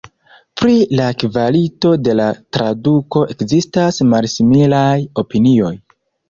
Pri la kvalito de la traduko ekzistas malsimilaj opinioj.